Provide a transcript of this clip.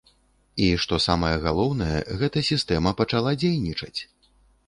І, што самае галоўнае, гэта сістэма пачала дзейнічаць!